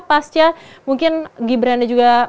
pasca mungkin gibran juga